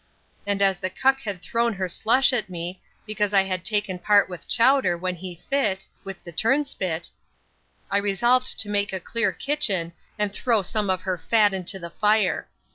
And as the cuck had thrown her slush at me, because I had taken part with Chowder, when he fit, with the turnspit, I resolved to make a clear kitchen, and throw some of her fat into the fire.